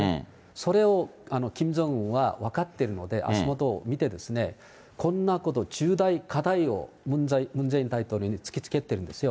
それをキム・ジョンウンは分かってるので、足元を見て、こんなこと、重大課題をムン・ジェイン大統領に突きつけてるんですよ。